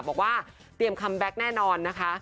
บอกว่าเตรียมคัมแบ็คแน่นอนนะคะ